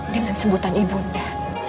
dengan sebutan ibu nda